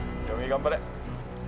頑張れ。